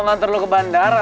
ngelantur lu ke bandar